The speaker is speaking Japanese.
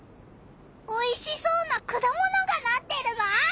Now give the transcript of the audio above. おいしそうなくだものがなってるぞ！